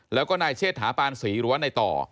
แล้วก็นายเชษฐาปานศรีหรือว่าในต่อ